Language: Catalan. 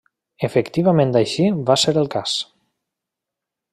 Efectivament així va ser el cas.